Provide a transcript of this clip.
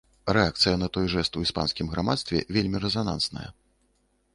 Рэакцыя на той жэст у іспанскім грамадстве вельмі рэзанансная.